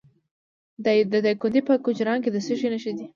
د دایکنډي په کجران کې د څه شي نښې دي؟